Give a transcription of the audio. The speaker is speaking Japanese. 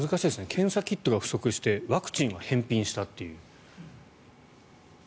検査キットが不足してワクチンは返品したっていう。